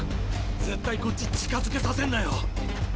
絶対こっち近づけさせんなよ。